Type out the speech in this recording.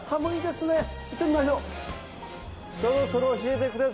そろそろ教えてくださいよ。